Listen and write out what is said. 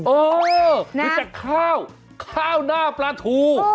เออหรือจากข้าวข้าวหน้าปลาทู